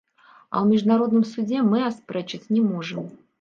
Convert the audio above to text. А ў міжнародным судзе мы аспрэчыць не можам.